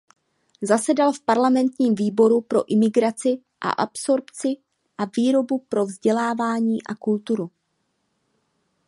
Zasedal v parlamentním výboru pro imigraci a absorpci a výboru pro vzdělávání a kulturu.